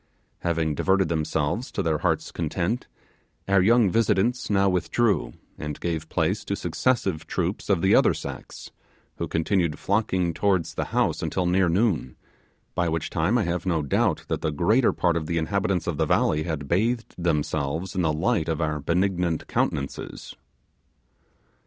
Having diverted themselves to their hearts' content, our young visitants now withdrew, and gave place to successive troops of the other sex, who continued flocking towards the house until near noon; by which time I have no doubt that the greater part of the inhabitants of the valley had bathed themselves in the light of our benignant countenances.